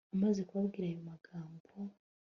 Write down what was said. amaze kubabwira ayo magambo